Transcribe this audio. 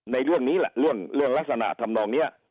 ในเรื่องนี้แหละเรื่องลักษณะทำนองนี้